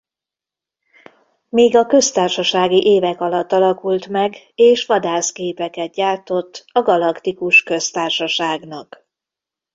Még a Köztársasági évek alatt alakult meg és vadászgépeket gyártott a Galaktikus Köztársaságnak.